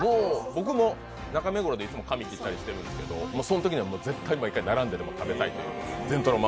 僕も中目黒でいつも髪切ったりしてるんですけどそのときには絶対、毎回並んででも食べたいという。